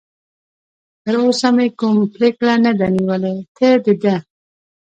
تراوسه مې کوم پرېکړه نه ده نیولې، ته د ده.